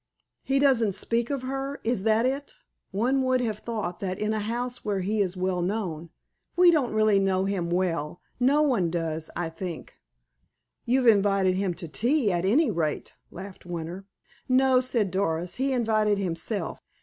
"He doesn't speak of her? Is that it? One would have thought that in a house where he is well known—" "We don't really know him well. No one does, I think." "You've invited him to tea, at any rate," laughed Winter. "No," said Doris. "He invited himself.